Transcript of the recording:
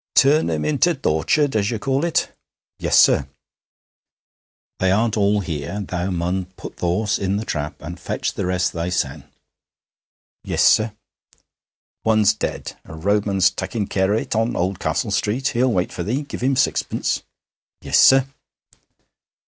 'Turn 'em into th' orchard, as you call it.' 'Yes, sir.' 'They aren't all here. Thou mun put th' horse in the trap and fetch the rest thysen.' 'Yes, sir.' 'One's dead. A roadman's takkin' care on it in Oldcastle Street. He'll wait for thee. Give him sixpence.' 'Yes, sir.'